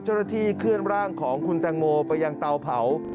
เจ้าหน้าที่เคลื่อนร่างของคุณแตงโมไปยังเตาเผา